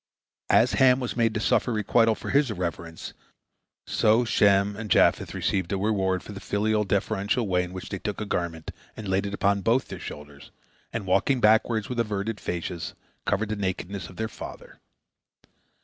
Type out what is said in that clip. " As Ham was made to suffer requital for his irreverence, so Shem and Japheth received a reward for the filial, deferential way in which they took a garment and laid it upon both their shoulders, and walking backward, with averted faces, covered the nakedness of their father.